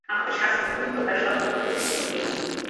আমাদের শাস্ত্রে দুই প্রকার সত্য উপদিষ্ট হইয়াছে।